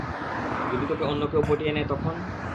যদি তোকে অন্য কেউ পটিয়ে নেয় তখন?